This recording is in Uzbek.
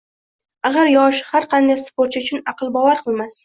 Axir, yosh – har qanday sportchi uchun aql bovar qilmas.